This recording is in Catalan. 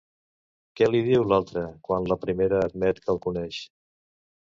Què li diu l'altra quan la primera admet que el coneix?